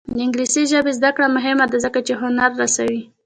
د انګلیسي ژبې زده کړه مهمه ده ځکه چې هنر رسوي.